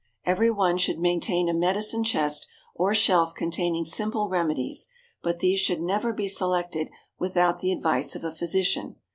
= Every one should maintain a medicine chest or shelf containing simple remedies, but these should never be selected without the advice of a physician.